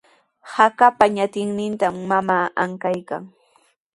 Hakapa ñatinnintami mamaa ankaykan.